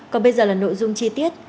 còn bây giờ là nội dung chi tiết